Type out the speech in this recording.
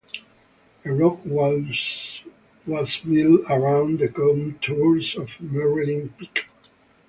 A rock wall was built around the contours of Merredin Peak.